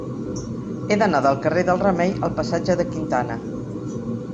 He d'anar del carrer del Remei al passatge de Quintana.